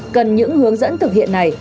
cần những hướng dẫn thực hiện này